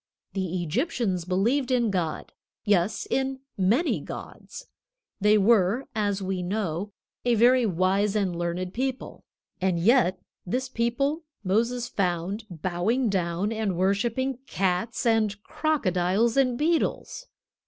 The Egyptians believed in God; yes, in many gods. They were, as we know, a very wise and learned people. And yet this people Moses found bowing down and worshiping cats and crocodiles and beetles.